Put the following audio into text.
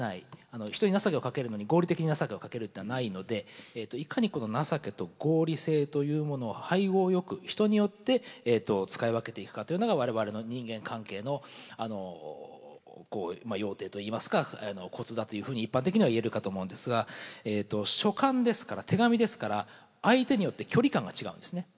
人に情けをかけるのに合理的に情けをかけるってのはないのでいかにこの情けと合理性というものを配合よく人によって使い分けていくかというのが我々の人間関係の要諦といいますかコツだというふうに一般的には言えるかと思うんですが書簡ですから手紙ですから相手によって距離感が違うんですね。